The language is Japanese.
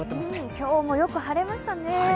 今日もよく晴れましたね。